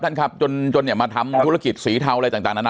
ท่านครับจนเนี่ยมาทำธุรกิจสีเทาอะไรต่างนานา